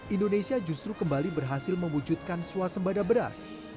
indonesia justru kembali berhasil mewujudkan swasembada beras